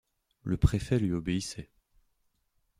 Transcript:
Le préfet lui obéissait.